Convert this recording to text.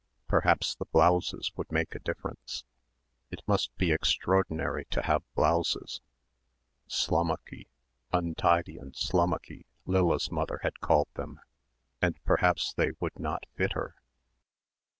Perhaps the blouses would make a difference it must be extraordinary to have blouses.... Slommucky ... untidy and slommucky Lilla's mother had called them ... and perhaps they would not fit her....